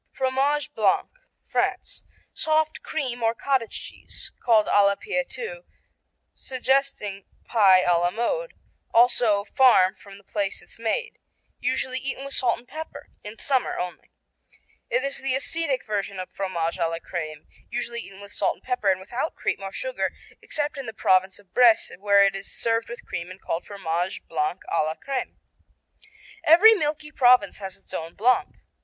Fromage Blanc France Soft cream or cottage cheese, called à la Pie, too, suggesting pie à la mode; also Farm from the place it's made. Usually eaten with salt and pepper, in summer only. It is the ascetic version of Fromage à la Crème, usually eaten with salt and pepper and without cream or sugar, except in the Province of Bresse where it is served with cream and called Fromage Blanc à la Crème. Every milky province has its own Blanc.